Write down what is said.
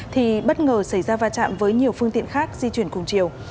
thì bất ngờ xảy ra va chạm với nhiều phương tiện khác di chuyển cùng chiều